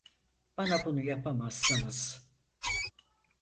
Bana bunu yapamazsınız.